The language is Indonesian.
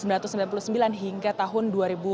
dan hingga tahun dua ribu tiga